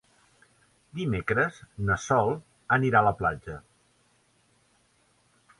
Dimecres na Sol irà a la platja.